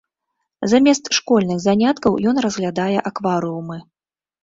Замест школьных заняткаў ён разглядае акварыумы.